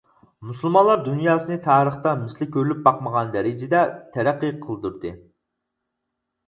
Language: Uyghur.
مۇسۇلمانلار دۇنياسىنى تارىختا مىسلى كۆرۈلۈپ باقمىغان دەرىجىدە تەرەققىي قىلدۇردى.